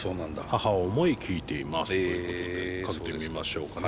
「母を思い聴いています」。ということでかけてみましょうかね。